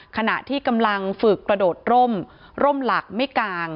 ขณะที่กำลังฝึกกระโดดร่มร่มหลักไม่กลาง